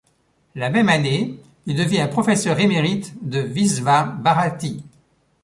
La même année, il devient professeur émérite de Visva Bharati.